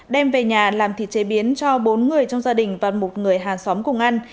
đem về nhà làm thịt chế biến cho bốn người trong gia đình và một người hàng xóm cùng ăn